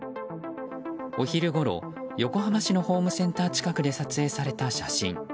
お昼ごろ、横浜市のホームセンター近くで撮影された写真。